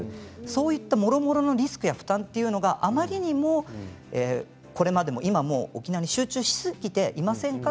そういった、もろもろのリスクや負担があまりにもこれまでも今も沖縄に集中しすぎていませんか。